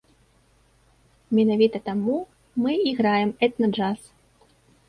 Менавіта таму мы і граем этна-джаз.